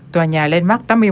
tòa nhà lên mắt tám mươi một